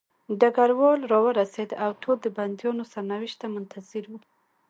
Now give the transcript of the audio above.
ډګروال راورسېد او ټول د بندیانو سرنوشت ته منتظر وو